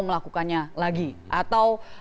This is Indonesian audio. melakukannya lagi atau